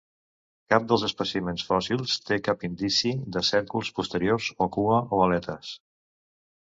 Cap dels espècimens fòssils té cap indici de cèrcols posteriors o cua, o aletes.